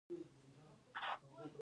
تل حق وایه